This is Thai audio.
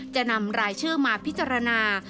จะนำรายชื่อมาพิจารณา